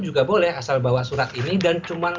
juga boleh asal bawa surat ini dan cuman